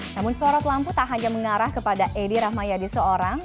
namun sorot lampu tak hanya mengarah kepada edi rahmayadi seorang